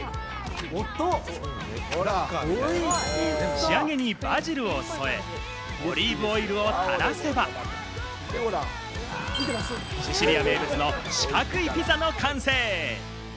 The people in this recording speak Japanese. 仕上げにバジルを添え、オリーブオイルをたらせば、シシリア名物の四角いピザの完成。